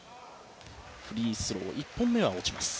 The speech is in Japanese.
フリースロー１本目は落ちます。